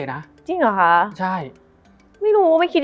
มันทำให้ชีวิตผู้มันไปไม่รอด